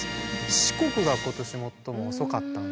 四国が今年最も遅かったんですね。